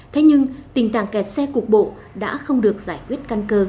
thế nhưng tình trạng kẹt xe cục bộ đã không được giải quyết